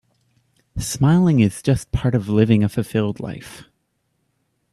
Smiling is just part of living a fulfilled life.